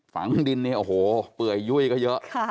ฝังดินเนี่ยโอ้โหเปื่อยยุ่ยก็เยอะ